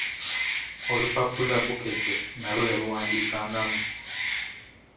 Olupapula Bukedde nalwo yaluwandiikangamu.